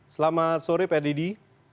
selamat sore pak deddy